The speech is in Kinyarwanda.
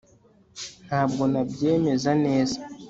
ntabwo nabyemeza neza